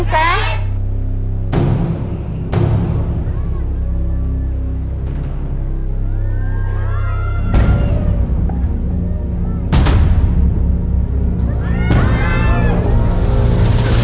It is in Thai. ๑แสง